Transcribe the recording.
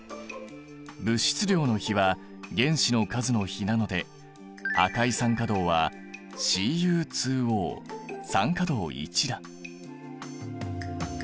物質量の比は原子の数の比なので赤い酸化銅はＣｕＯ酸化銅だ。